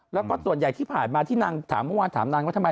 แล้วก็ส่วนใหญ่ที่ผ่านมาที่นางถามเมื่อวานถามนางว่าทำไม